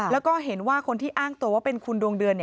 แล้วก็เห็นว่าคนที่อ้างตัวว่าเป็นคุณดวงเดือน